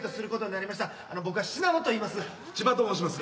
あの僕は信濃といいます。